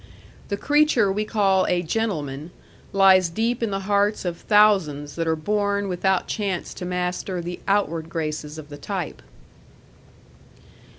The creature we call a GENTLEMAN lies deep in the hearts of thousands that are born without chance to master the outward graces of the type.